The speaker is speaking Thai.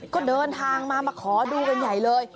ก็เดินทางมามาขอดูกันใหญ่เลย